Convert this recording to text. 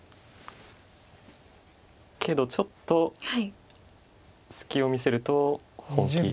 けどちょっと隙を見せると本気。